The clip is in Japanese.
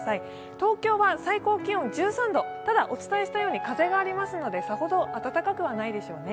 東京は最高気温１３度、ただお伝えしたように風がありますので、さほど暖かくはないでしょうね。